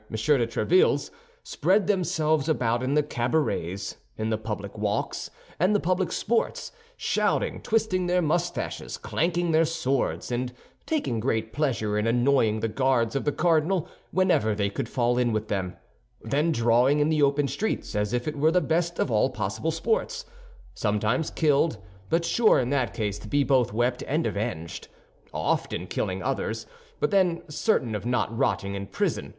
de Tréville's, spread themselves about in the cabarets, in the public walks, and the public sports, shouting, twisting their mustaches, clanking their swords, and taking great pleasure in annoying the Guards of the cardinal whenever they could fall in with them; then drawing in the open streets, as if it were the best of all possible sports; sometimes killed, but sure in that case to be both wept and avenged; often killing others, but then certain of not rotting in prison, M.